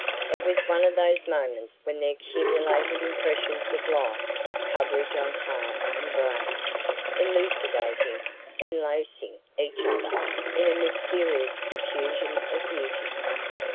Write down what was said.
It was one of those moments when the accumulated impressions of life converge on heart and brain, elucidating, enlacing each other, in a mysterious confusion of beauty.